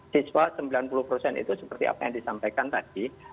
siswa sembilan puluh persen itu seperti apa yang disampaikan tadi